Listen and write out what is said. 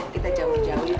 kita jauh jauh dari sini ayo